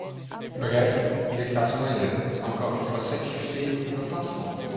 Bref, les classes moyennes, encore une fois sacrifiées, repasseront.